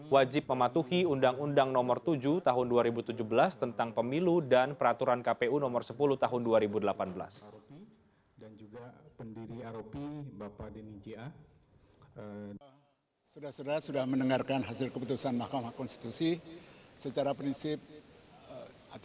wajib mematuhi undang undang nomor tujuh tahun dua ribu tujuh belas tentang pemilu dan peraturan kpud